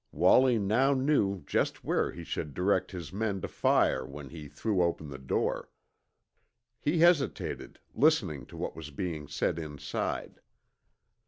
Wallie now knew just where he should direct his men to fire when he threw open the door. He hesitated, listening to what was being said inside.